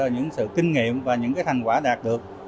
những sự kinh nghiệm và những thành quả đạt được